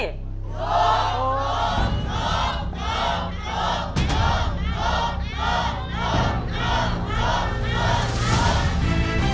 รอรอรอรอ